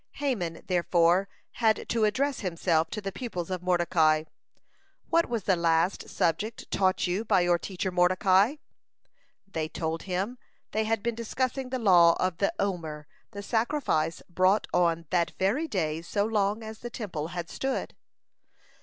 Haman, therefore, had to address himself to the pupils of Mordecai: "What was the last subject taught you by your teacher Mordecai?" They told him they had been discussing the law of the `Omer, the sacrifice brought on that very day so long as the Temple had stood.